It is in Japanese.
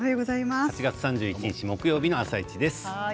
８月３１日木曜日の「あさイチ」です。